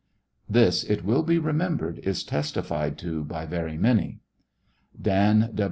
This, it will be remembered, is testified to by very many. Dan.